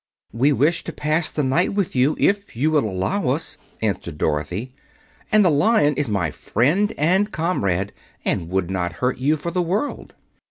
"We wish to pass the night with you, if you will allow us," answered Dorothy; "and the Lion is my friend and comrade, and would not hurt you for the world."